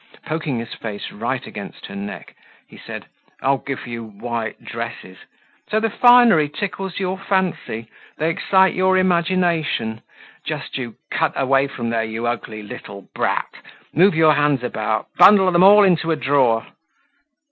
Poking his face right against her neck, he said: "I'll give you white dresses! So the finery tickles your fancy. They excite your imagination. Just you cut away from there, you ugly little brat! Move your hands about, bundle them all into a drawer!"